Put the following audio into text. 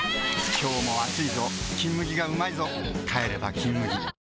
今日も暑いぞ「金麦」がうまいぞ帰れば「金麦」ハァ。ハァ。ハァ。